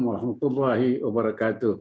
waalaikumsalam warahmatullahi wabarakatuh